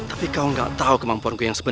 aku harus menangis